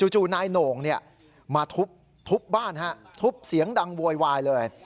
จู่นายโหน่งมาทุบบ้านทุบเสียงดังโวยวายเลย